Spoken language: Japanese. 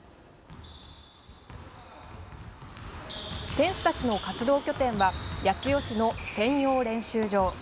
選手たちの活動拠点は八千代市の専用練習場。